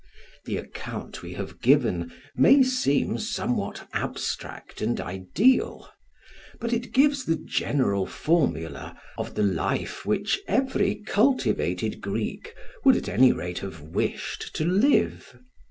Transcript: The account we have given may seem somewhat abstract and ideal; but it gives the general formula of the life which every cultivated Greek would at any rate have wished to live.